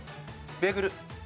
ベーグル。